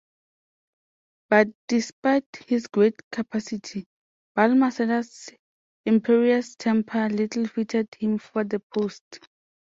But despite his great capacity, Balmaceda's imperious temper little fitted him for the post.